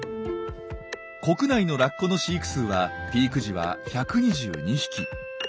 国内のラッコの飼育数はピーク時は１２２匹。